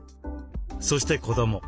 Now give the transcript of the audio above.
そして子ども。